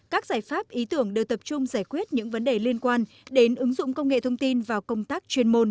các giải pháp ý tưởng đều tập trung giải quyết những vấn đề liên quan đến ứng dụng công nghệ thông tin vào công tác chuyên môn